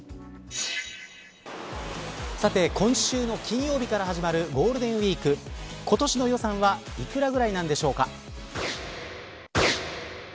さて、今週の金曜日から始まるゴールデンウイーク今年の予算は幾らぐらいなんでしょうか。